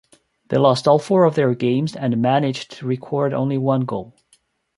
They lost all four of their games and managed to record only one goal.